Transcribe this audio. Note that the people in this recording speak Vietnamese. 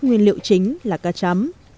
nguyên liệu chính là cá chấm